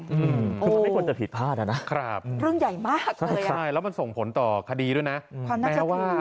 คือทำให้คนจะผิดพลาดอะนะเรื่องใหญ่มากเลยอะใช่แล้วมันส่งผลต่อคดีด้วยนะ